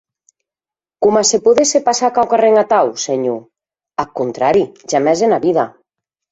Coma se podesse passar quauquarren atau, senhor; ath contrari, jamès ena vida.